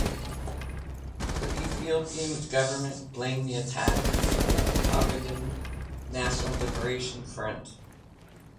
The Ethiopian government blamed the attack on the Ogaden National Liberation Front.